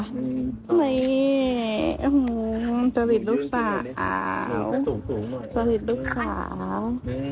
เฮ้ยโอ้โหจริตลูกสาวจริตลูกสาว